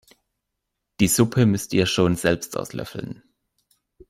Die Suppe müsst ihr schon selbst auslöffeln!